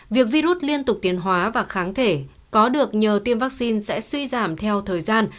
việc virus liên tục tiến hóa và kháng thể có được nhờ tiêm vaccine sẽ suy giảm theo thời gian